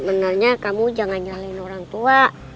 benernya kamu jangan nyalin orang tua